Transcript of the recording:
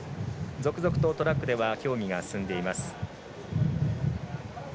続々とトラックでは競技が進んでいます。